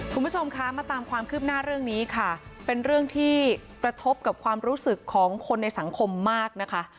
คุณผู้ชมคะมาตามความคืบหน้าเรื่องนี้ค่ะเป็นเรื่องที่กระทบกับความรู้สึกของคนในสังคมมากนะคะ